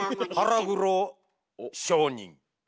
「腹黒商人」。